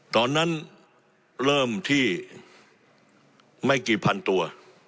ตอนนั้นเริ่มที่ไม่กี่พันตัว